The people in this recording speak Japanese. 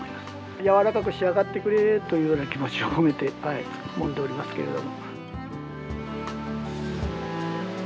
やわらかく仕上がってくれというような気持ちを込めてもんでおりますけれども。